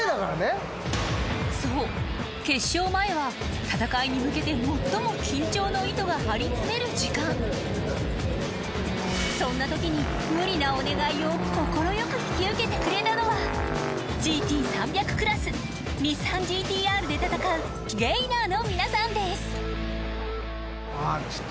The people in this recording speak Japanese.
そう決勝前は戦いに向けて最もそんなときに無理なお願いを快く引き受けてくれたのはＧＴ３００クラスニッサンＧＴ−Ｒで戦うちょっと。